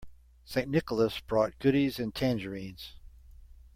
St. Nicholas brought goodies and tangerines.